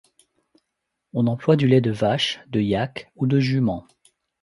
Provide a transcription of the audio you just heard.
On emploie du lait de vache, de yack ou de jument.